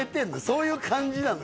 そういう感じなの？